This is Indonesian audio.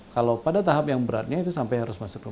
kalau pada tahap yang beratnya itu sampai harus masuk ke